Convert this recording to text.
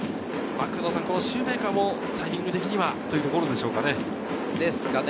シューメーカーもタイミング的にはというところでしょうかね。